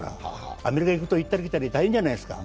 アメリカ行くと、行ったり来たり、大変じゃないですか。